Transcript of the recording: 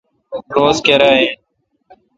روز کیرا این۔